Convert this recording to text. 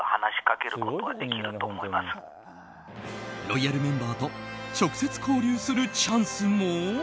ロイヤルメンバーと直接交流するチャンスも？